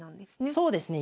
そうですね。